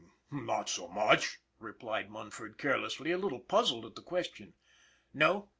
" Not so much," replied Munford carelessly, a little puzzled at the question. " No